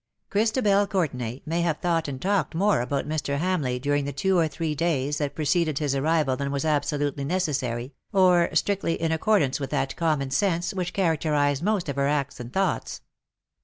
THE DAYS THAT ARE NO MORE. 2? Christabel Courtenay may have thought and talked more about Mr. Hamleigh during the two or three days that preceded his arrival than was absolutely necessary^, or strictly in accordance with that common sense which characterized most of her acts and thoughts.